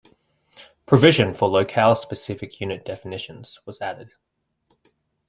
Provision for locale-specific unit definitions was added.